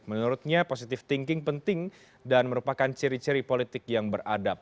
menurutnya positive thinking penting dan merupakan ciri ciri politik yang beradab